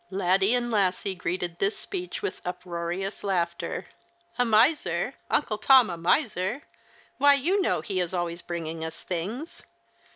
Laddie and Lassie greeted this speech with uproarious laughter. "A miser! Uncle Tom a miser! Why, you know he is always bringing us things.